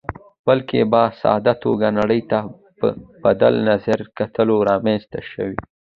بلکې په ساده توګه نړۍ ته په بدل نظر کتلو رامنځته شوې.